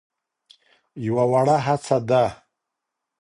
يوه وړه هڅه ده.